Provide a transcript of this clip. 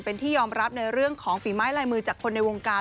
เป็นที่ยอมรับในเรื่องของฝีไม้ลายมือจากคนในวงการ